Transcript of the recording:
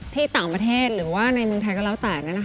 ที่ต่างประเทศหรือว่าในเมืองไทยก็แล้วแต่